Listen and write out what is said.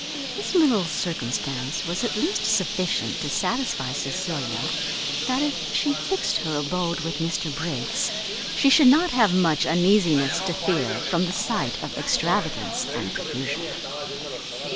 This little circumstance was at least sufficient to satisfy Cecilia that if she fixed her abode with Mr Briggs, she should not have much uneasiness to fear from the sight of extravagance and profusion.